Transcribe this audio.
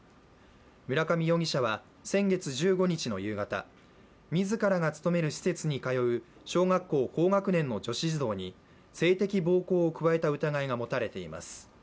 村上容疑者は、先月１５日の夕方自らが勤める施設に通う小学校高学年の女子児童に性的暴行を加えた疑いが持たれています。